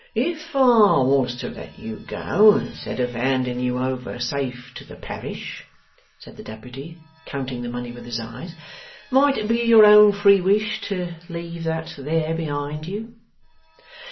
'If I was to let you go instead of handing you over safe to the Parish,' said the Deputy, counting the money with his eyes, 'might it be your own free wish to leave that there behind you?